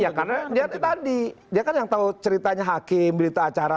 ya karena tadi dia kan yang tahu ceritanya hakim berita acara